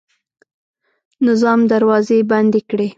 نظام دروازې بندې کړې.